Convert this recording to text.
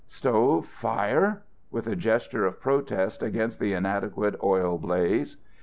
"Stove fire?" with a gesture of protest against the inadequate oil blaze.